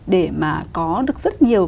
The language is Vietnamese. để mà có được rất nhiều